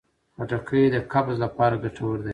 خټکی د قبض لپاره ګټور دی.